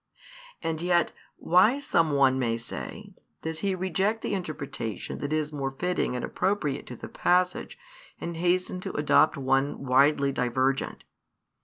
And yet, why, some one may say, does he reject the interpretation that is more fitting and appropriate to the passage, and hasten to adopt one widely divergent?